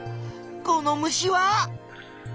この虫は。